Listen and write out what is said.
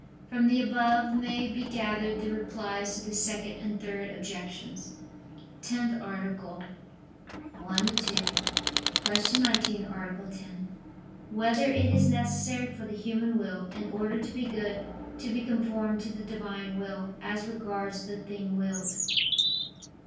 From the above may be gathered the replies to the Second and Third Objections. ________________________ TENTH ARTICLE [I II, Q. 19, Art. 10] Whether It Is Necessary for the Human Will, in Order to Be Good, to Be Conformed to the Divine Will, As Regards the Thing Willed?